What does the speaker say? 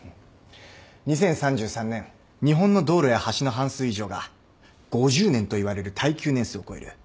２０３３年日本の道路や橋の半数以上が５０年といわれる耐久年数を超える。